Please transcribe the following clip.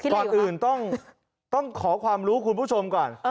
ก่อนอื่นต้องขอความรู้คุณผู้ชมก่อน